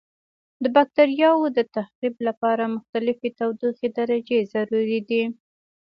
د بکټریاوو د تخریب لپاره مختلفې تودوخې درجې ضروري دي.